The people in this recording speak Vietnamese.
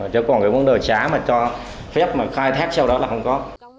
chứ còn cái vấn đề xã mà cho phép mà khai thác sau đó là không có